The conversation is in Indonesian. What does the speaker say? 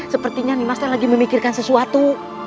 sepertinya nih master lagi memikirkan sesuatu